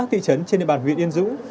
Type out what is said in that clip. thị trấn trên địa bàn huyện yên dũng